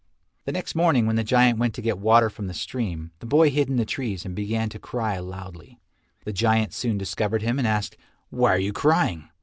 The next morning when the giant went to get water from the stream, the boy hid in the trees and began to cry loudly. The giant soon discovered him and asked, "Why are you crying?"